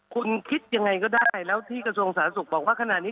คุณคิดยังไงก็ได้แล้วที่กระทรวงสาธารณสุขบอกว่าขณะนี้